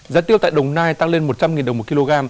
giá tiêu tại đồng nai tăng lên một trăm linh đồng một kg